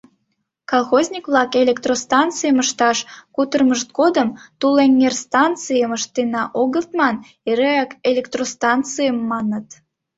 Колхозник-влак «электростанцийым» ышташ кутырымышт годым «тулэҥерстанцийым» ыштена огыт ман, эреак «электростанцийым» маныт.